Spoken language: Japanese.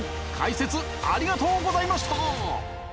解説ありがとうございました！